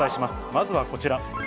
まずはこちら。